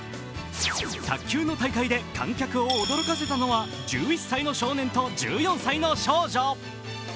卓球の大会で観客を驚かせたのは１１歳の少年と１１歳の少女。